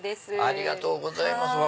ありがとうございますうわ